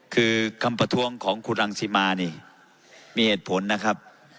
คือคำประท้วงของคุณรังสิมานี่มีเหตุผลนะครับ